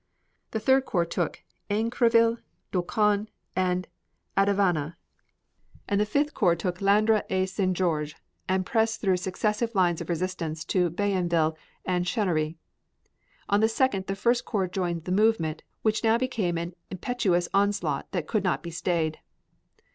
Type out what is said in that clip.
The Third Corps took Aincreville, Doulcon, and Andevanne, and the Fifth Corps took Landres et St. Georges and pressed through successive lines of resistance to Bayonville and Chennery. On the 2d the First Corps joined in the movement, which now became an impetuous onslaught that could not be stayed.